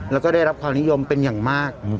แล้วก็ได้รับความนิยมเป็นอย่างมาก